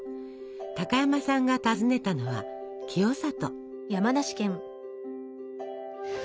高山さんが訪ねたのは清里。